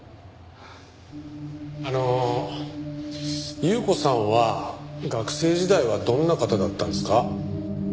あの優子さんは学生時代はどんな方だったんですか？